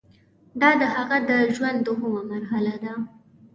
دا د هغه د ژوند دوهمه مرحله ده.